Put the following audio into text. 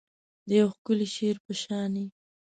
د یو ښکلي شعر په شاني